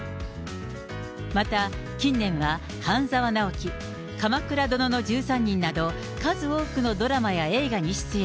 また近年は、半沢直樹、鎌倉殿の１３人など、数多くのドラマや映画に出演。